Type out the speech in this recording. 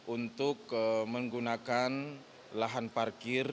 untuk menggunakan lahan parkir